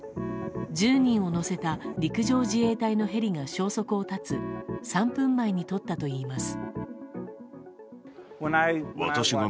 １０人を乗せた陸上自衛隊のヘリが消息を絶つ３分前に撮ったといいます。